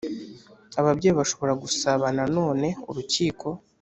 ababyeyi bashobora gusaba na none urukiko